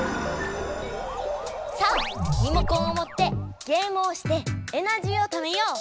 さあリモコンをもってゲームをしてエナジーをためよう！